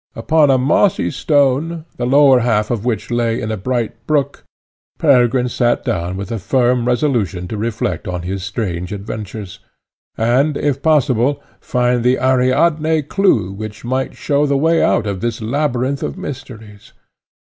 Upon a mossy stone, the lower half of which lay in a bright brook, Peregrine sate down with a firm resolution to reflect on his strange adventures, and, if possible, find the Ariadne clue which might show the way out of this labyrinth of mysteries.